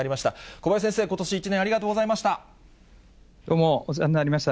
小林先生、ことし一年ありがとうございました。